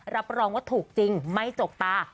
รับรองว่าถูกจริงไม่จกตา